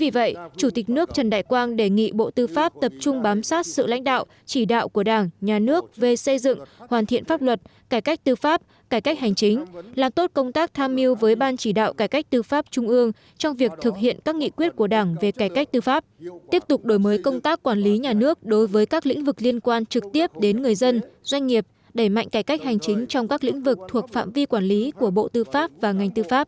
vì vậy chủ tịch nước trần đại quang đề nghị bộ tư pháp tập trung bám sát sự lãnh đạo chỉ đạo của đảng nhà nước về xây dựng hoàn thiện pháp luật cải cách tư pháp cải cách hành chính làm tốt công tác tham mưu với ban chỉ đạo cải cách tư pháp trung ương trong việc thực hiện các nghị quyết của đảng về cải cách tư pháp tiếp tục đổi mới công tác quản lý nhà nước đối với các lĩnh vực liên quan trực tiếp đến người dân doanh nghiệp đẩy mạnh cải cách hành chính trong các lĩnh vực thuộc phạm vi quản lý của bộ tư pháp và ngành tư pháp